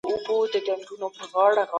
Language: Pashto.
وطنپرستي په کار او زحمت کي ده.